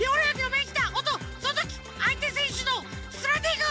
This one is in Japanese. おっとそのときあいてせんしゅのスライディング！